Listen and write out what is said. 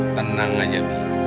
tenang aja mbah